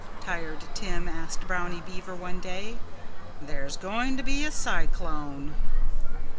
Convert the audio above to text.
Tired Tim asked Brownie Beaver one day. "There's going to be a cyclone."